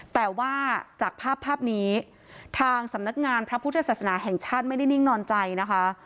แต่ว่าจากภาพภาพนี้ทางสำนักงานพระพุทธศาสนาแห่งชาติไม่ได้นิ่งนอนใจนะคะ